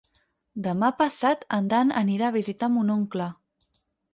Demà passat en Dan anirà a visitar mon oncle.